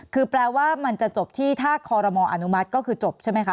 คือแปลว่ามันจะจบที่ถ้าคอรมออนุมัติก็คือจบใช่ไหมคะ